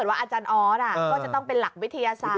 ว่าอาจารย์ออสก็จะต้องเป็นหลักวิทยาศาสต